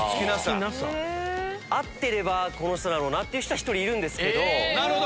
合ってればこの人だろうっていう人は１人いる。